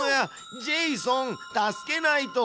ジェイソン助けないと！